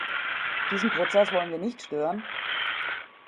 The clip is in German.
Diesen Prozess wollen wir nicht stören.